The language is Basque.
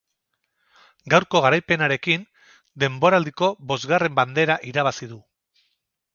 Gaurko garaipenarekin, denboraldiko bosgarren bandera irabazi du.